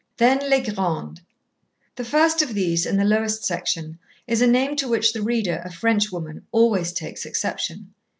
Then les grandes. The first of these, in the lowest section, is a name to which the reader, a French woman, always takes exception.